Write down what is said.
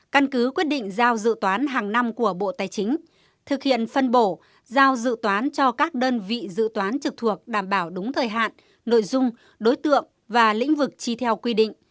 căn cứ quyết định giao dự toán hàng năm của bộ tài chính thực hiện phân bổ giao dự toán cho các đơn vị dự toán trực thuộc đảm bảo đúng thời hạn nội dung đối tượng và lĩnh vực chi theo quy định